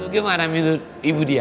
gimana menurut ibu dia